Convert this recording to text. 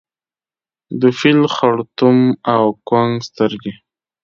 د فیل خړتوم او کونګ سترګي